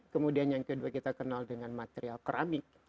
kemudian yang kedua kita kenal dengan material keramik